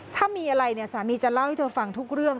ถ้ามีอะไรเนี่ยสามีจะเล่าให้เธอฟังทุกเรื่อง